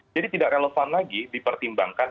jadi tidak relevan lagi dipertimbangkan